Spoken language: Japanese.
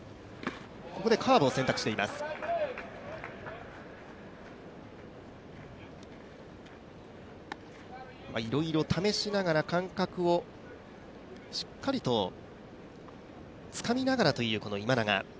いろいろ試しながら感覚をしっかりとつかみながらという、今永。